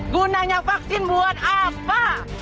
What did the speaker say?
gunanya vaksin buat apa